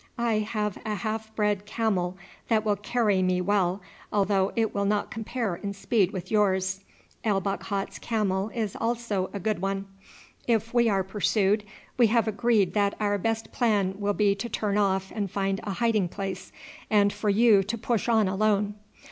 I have a half bred camel that will carry me well, although it will not compare in speed with yours. El Bakhat's camel is also a good one. If we are pursued, we have agreed that our best plan will be to turn off and find a hiding place, and for you to push on alone.